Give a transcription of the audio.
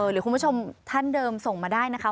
หรือคุณผู้ชมท่านเดิมส่งมาได้นะคะ